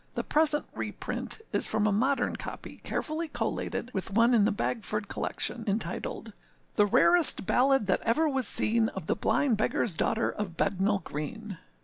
The present reprint is from a modern copy, carefully collated with one in the Bagford Collection, entitled, âThe rarest ballad that ever was seen, Of the Blind Beggarâs Daughter of Bednal Green.